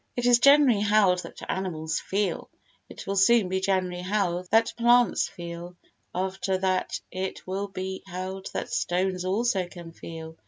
It is generally held that animals feel; it will soon be generally held that plants feel; after that it will be held that stones also can feel.